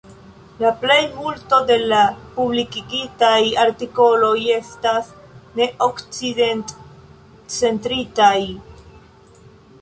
La plejmulto de la publikigitaj artikoloj estas neokcidentcentritaj.